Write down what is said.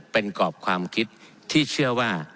เป็นกรอบความคิดที่เชื่อว่า